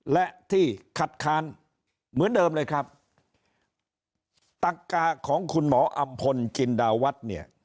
และที่คัดค้านเหมือนเดิมเลยครับตักกาของคุณหมออำพลจินดาวัฒน์เนี่ย